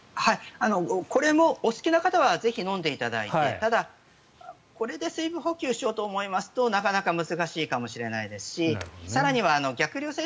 これもお好きな方はぜひ飲んでいただいてただ、これで水分補給しようと思いますとなかなか難しいかもしれないですし更には逆流性